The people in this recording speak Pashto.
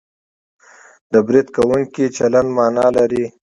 د برید کوونکي چلند مانا لري